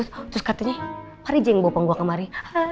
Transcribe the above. terus katanya mari jeng bawa panggung gue kemari